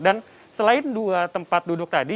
dan selain dua tempat duduk tadi